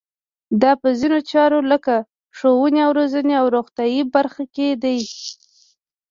دا په ځینو چارو لکه ښوونې او روزنې او روغتیایي برخه کې دي.